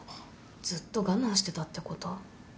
ずっと我慢してたってこと？